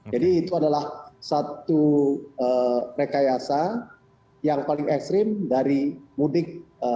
jadi itu adalah satu rekayasa yang paling ekstrim dari mudik dua ribu dua puluh dua